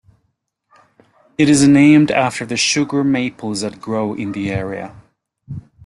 It is named after the sugar maples that grow in the area.